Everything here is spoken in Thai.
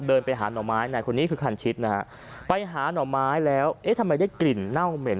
ป่าไปหาหน่อไม้ครับหาหน่อไม้ครับแล้วเราเดินผ่านแบบเนี้ย